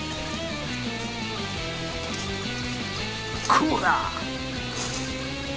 こうだ！